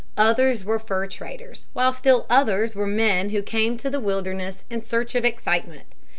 Others were fur traders, while still others were men who came to the wilderness in search of excitement.